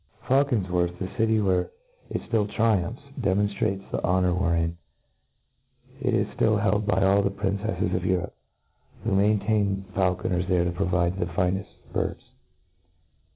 Faulconf wortlj, the city where it ftill triumphs, demon ftrates the honour wherein it is ftill held by all the princes of Europe, who maintain faulcon crs there to provide the fineft birds.